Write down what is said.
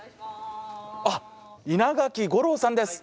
あっ稲垣吾郎さんです。